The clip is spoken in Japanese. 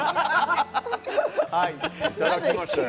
いただきましたよ